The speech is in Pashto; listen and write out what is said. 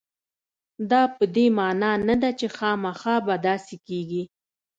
دا په دې معنا نه ده چې خامخا به داسې کېږي.